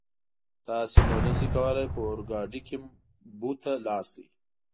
تاسو نور نشئ کولای په اورګاډي کې بو ته لاړ شئ.